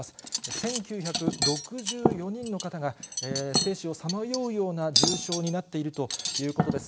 １９６４人の方が、生死をさまようような重症になっているということです。